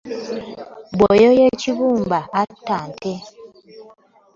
Bw’ayoya ekibumba atta nte.